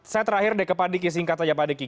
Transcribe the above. saya terakhir deh ke pak diki singkat saja pak diki